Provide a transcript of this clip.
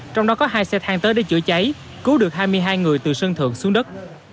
trong đó có hai xe thang tới để chữa cháy cứu được hai mươi hai người từ sơn thượng xuống đất